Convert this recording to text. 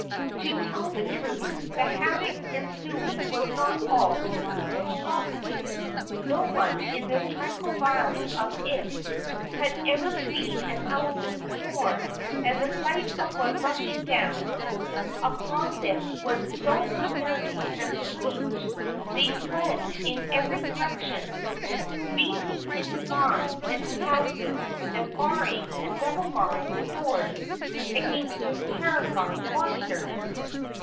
To tell the truth, the havoc ensuing was not all Kabumpo's fault. No one in this tranquil valley of Ix had ever seen an elephant before, and the sight of one rushing down upon them was so unnerving and strange they fled in every direction, leaping into barns and houses, and barring and double barring the doors against this terrifying monster.